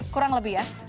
kurang lebih ya